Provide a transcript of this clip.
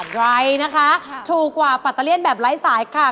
ใครนะคะถูกกว่าปัตเตอร์เลียนแบบไร้สายค่ะ